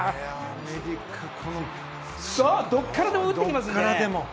どこからでも打ってきますね。